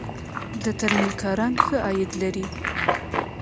د ترمیم کاران ښه عاید لري